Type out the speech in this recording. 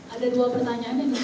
ada dua pertanyaan